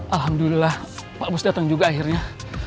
alhamdulillah pak bus datang juga akhirnya